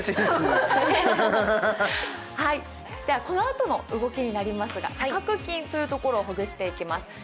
このあとの動きは斜角筋というところをほぐしていきます。